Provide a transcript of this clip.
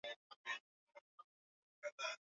Viashiria vyote vinaonyesha kuwa nchi iko kwenye hatari